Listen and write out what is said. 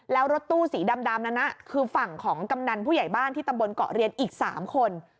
แล้วรถตู้สีดำนั้นคือฝั่งของกำนันผู้ใหญ่บ้านที่ตำบลเกาะเรียนอีก๓คน